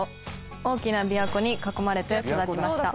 「大きな琵琶湖に囲まれて育ちました」